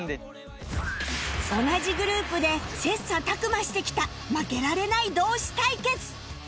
同じグループで切磋琢磨してきた負けられない同士対決！